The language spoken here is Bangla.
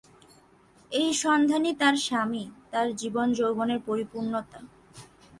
এই সন্ধানই তার স্বামী, তার জীবনযৌবনের পরিপূর্ণতা।